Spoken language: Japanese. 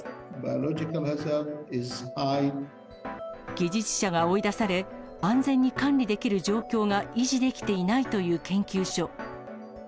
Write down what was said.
技術者が追い出され、安全に管理できる状況が維持できていないという研究所。